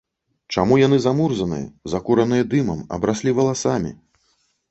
Чаму яны замурзаныя, закураныя дымам, абраслі валасамі?